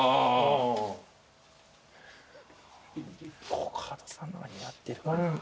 コカドさんの方が似合ってるかな。